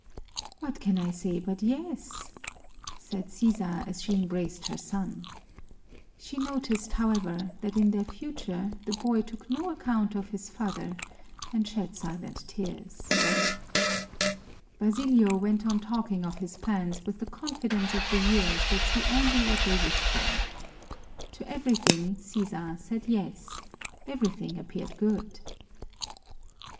"What can I say but yes?" said Sisa as she embraced her son. She noted, however, that in their future the boy took no account of his father, and shed silent tears. Basilio went on talking of his plans with the confidence of the years that see only what they wish for. To everything Sisa said yes everything appeared good.